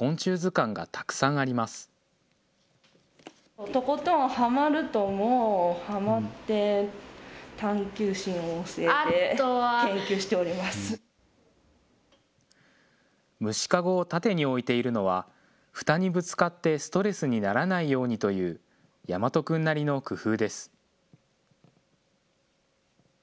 虫かごを縦に置いているのは、ふたにぶつかってストレスにならないようにという岳翔君なりの工夫です。